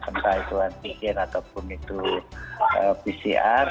entah itu antigen ataupun itu pcr